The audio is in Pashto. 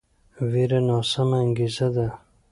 ویره ناسمه انګیزه ده